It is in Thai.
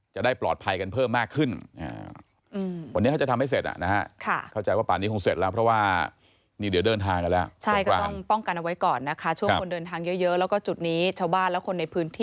จะได้ปลอดภัยกันเพิ่มมากขึ้น